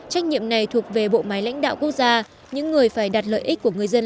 trách nhiệm này thuộc về bộ máy lãnh đạo quốc gia những người phải đặt lợi ích của người dân